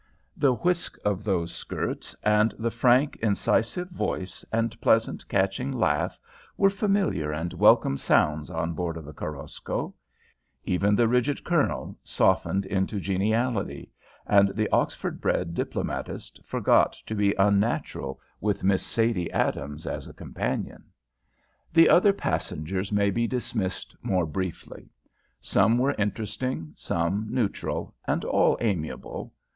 The whisk of those skirts, and the frank incisive voice and pleasant, catching laugh were familiar and welcome sounds on board of the Korosko. Even the rigid Colonel softened into geniality, and the Oxford bred diplomatist forgot to be unnatural with Miss Sadie Adams as a companion. The other passengers may be dismissed more briefly. Some were interesting, some neutral, and all amiable.